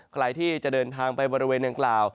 ใครที่จะเดินทางไปบริเวณนางกล่าว